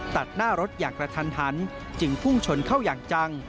ตัดหน้ารถอย่างกระทันหันจึงพุ่งชนเข้าอย่างจัง